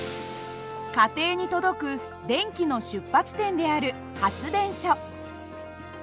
家庭に届く電気の出発点である発電所。